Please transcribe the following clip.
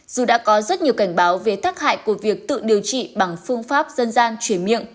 dù đã có rất nhiều cảnh báo về tác hại của việc tự điều trị bằng phương pháp dân gian chuyển miệng